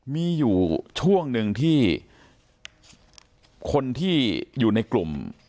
มีอยู่ช่วงหนึ่งที่คนที่อยู่ในกลุ่ม